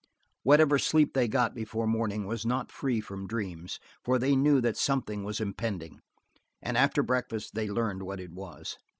Whatever sleep they got before morning was not free from dreams, for they knew that something was impending, and after breakfast they learned what it was.